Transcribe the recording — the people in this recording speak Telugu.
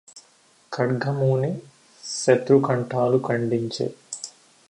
ఖడ్గమూని శతృకంఠాలు ఖండించె